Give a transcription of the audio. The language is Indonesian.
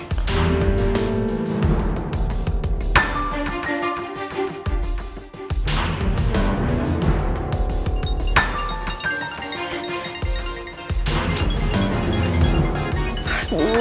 biar aku telfon